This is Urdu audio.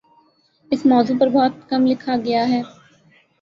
اس موضوع پر بہت کم لکھا گیا ہے